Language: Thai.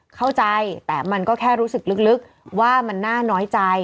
เข้าใจแต่มันก็แค่รู้สึกลึกว่ามันน่าน้อยใจ